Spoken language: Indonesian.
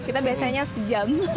kita biasanya sejam